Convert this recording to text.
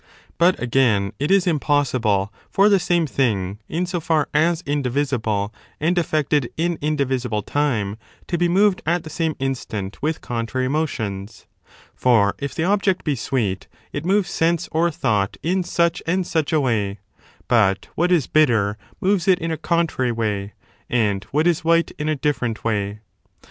But, again, it is impossible for the same thing, in 13 so far as indivisible and affected in indivisible time, to be moved at the same instant with contrary motions. For, if the object be sweet, it moves sense or thought in such and such a way, but what is bitter moves it in a contrary way, and what is white in a different way.